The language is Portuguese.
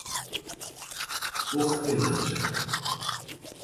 Portelândia